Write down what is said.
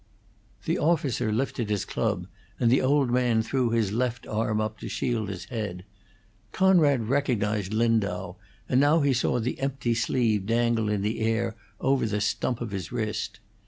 The officer lifted his club, and the old man threw his left arm up to shield his head. Conrad recognized Lindau, and now he saw the empty sleeve dangle in the air over the stump of his wrist.